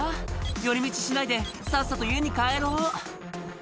「寄り道しないでさっさと家に帰ろう」